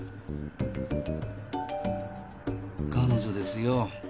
彼女ですよ。